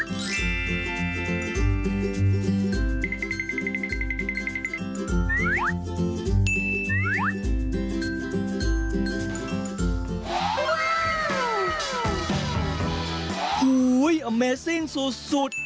โอ้โฮอัมเมสซิ่งสุด